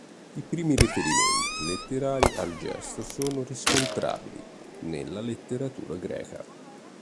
I primi riferimenti letterari al gesto sono riscontrabili nella letteratura greca.